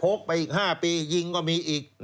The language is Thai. ไปอีก๕ปียิงก็มีอีก